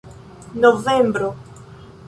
novembro